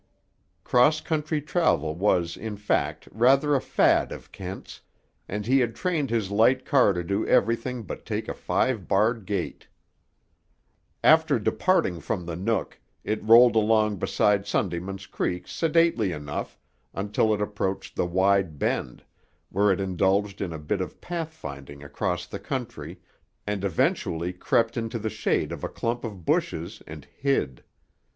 Cross country travel was, in fact, rather a fad of Kent's, and he had trained his light car to do everything but take a five barred gate. After departing from the Nook, it rolled along beside Sundayman's Creek sedately enough until it approached the wide bend, where it indulged in a bit of path finding across the country, and eventually crept into the shade of a clump of bushes and hid.